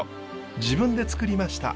自分でつくりました。